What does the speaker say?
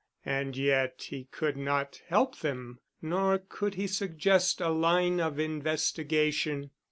And yet he could not help them, nor could he suggest a line of investigation.